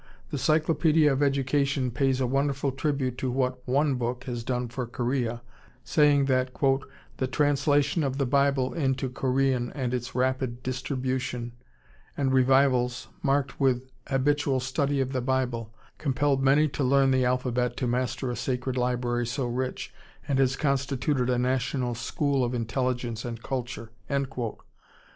The Cyclopedia of Education pays a wonderful tribute to what one Book has done for Korea, saying that "the translation of the Bible into Korean and its rapid distribution, and revivals marked with habitual study of the Bible, compelled many to learn the alphabet to master a sacred library so rich, and has constituted a national school of intelligence and culture."